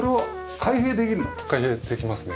開閉できますね。